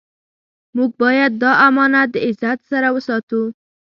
موږ باید دا امانت د عزت سره وساتو.